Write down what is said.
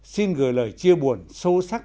xin gửi lời chia buồn sâu sắc